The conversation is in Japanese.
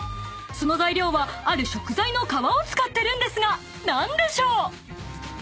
［その材料はある食材の皮を使ってるんですが何でしょう？］